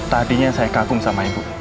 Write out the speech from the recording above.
tadinya saya kagum sama ibu